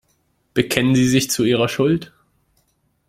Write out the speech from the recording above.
Bekennen Sie sich zu Ihrer Schuld?